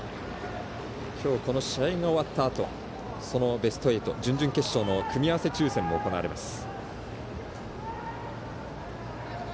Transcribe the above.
今日、この試合が終わったあとそのベスト８、準々決勝の組み合わせ抽せんも行われます。